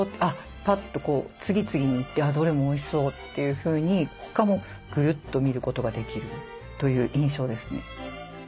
ぱっと次々に行ってどれもおいしそうというふうに他もぐるっと見ることができるという印象ですね。